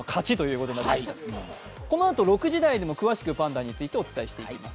このあと６時台でもパンダについて詳しくお伝えしていきます。